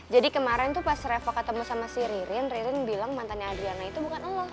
jadi kemarin tuh pas reva ketemu sama si ririn ririn bilang mantannya adriana itu bukan lo